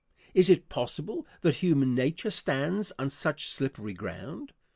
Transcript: Is it possible that human nature stands on such slippery ground?